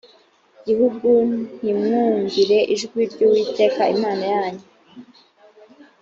gihugu ntimwumvire ijwi ry uwiteka imana yanyu